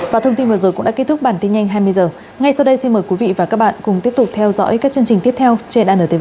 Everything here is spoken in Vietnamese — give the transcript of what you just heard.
và thông tin vừa rồi cũng đã kết thúc bản tin nhanh hai mươi h ngay sau đây xin mời quý vị và các bạn cùng tiếp tục theo dõi các chương trình tiếp theo trên anntv